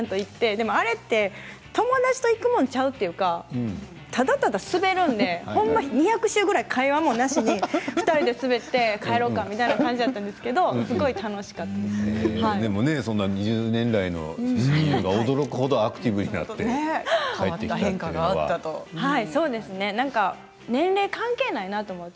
でも、あれって友達と行くものとちゃうというかただただ滑るので２００周ぐらい会話もなしに２人で滑って帰ろうかみたいな感じやったんですけれど２０年来の親友が驚くぐらいアクティブになって帰ってきたというのは。